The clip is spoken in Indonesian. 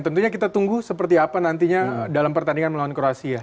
tentunya kita tunggu seperti apa nantinya dalam pertandingan melawan kroasia